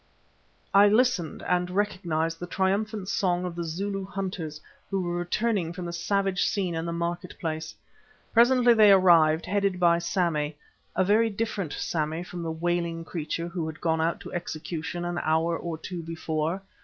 I listened and recognised the triumphant song of the Zulu hunters, who were returning from the savage scene in the market place. Presently they arrived, headed by Sammy, a very different Sammy from the wailing creature who had gone out to execution an hour or two before.